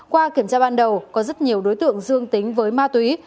qua kiểm tra ban đầu có rất nhiều đối tượng dương tính với ma túy